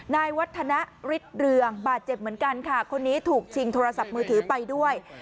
นายวัฒนาฤทธิเรืองบาดเจ็บเหมือนกันค่ะคนนี้ถูกชิงโทรศัพท์มือถือไปด้วย